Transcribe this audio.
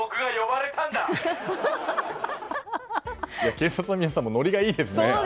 警察の皆さんもノリがいいですね。